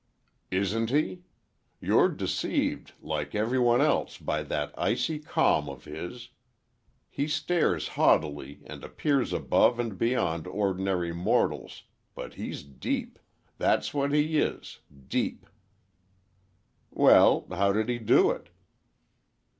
"Isn't he? You're deceived, like every one else, by that icy calm of his. He stares haughtily, and appears above and beyond ordinary mortals, but he's deep. That's what he is, deep." "Well, how did he do it?"